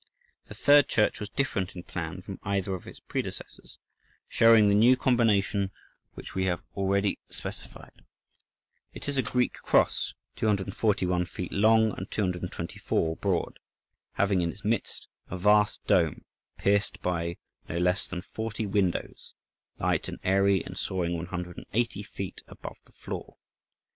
The third church was different in plan from either of its predecessors, showing the new combination which we have already specified. It is a Greek cross, 241 feet long and 224 broad, having in its midst a vast dome, pierced by no less than forty windows, light and airy and soaring 180 feet above the floor.